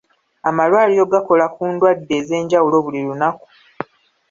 Amalwaliro gakola ku ndwadde ez'enjawulo buli lunaku.